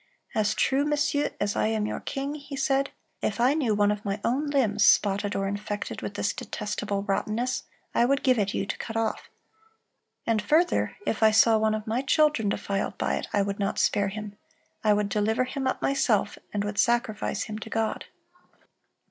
"As true, Messieurs, as I am your king," he said, "if I knew one of my own limbs spotted or infected with this detestable rottenness, I would give it you to cut off.... And further, if I saw one of my children defiled by it, I would not spare him.... I would deliver him up myself, and would sacrifice him to God."